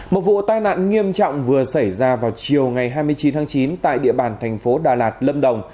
một vụ tai nạn nghiêm trọng vừa xảy ra vào chiều ngày hai mươi chín tháng chín tại địa bàn thành phố đà lạt lâm đồng